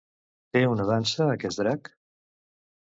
Té una dansa, aquest drac?